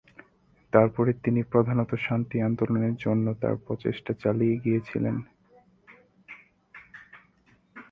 তারপরে, তিনি প্রধানত শান্তি আন্দোলনের জন্য তার প্রচেষ্টা চালিয়ে গিয়েছিলেন।